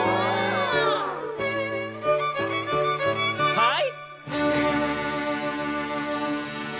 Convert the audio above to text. はい！